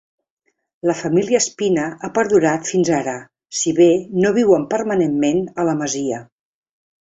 La família Espina ha perdurat fins ara si bé no viuen permanentment a la masia.